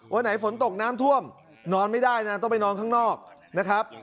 วันไหนฝนตกน้ำท่วมนอนไม่ได้นะต้องไปนอนข้างนอกนะครับ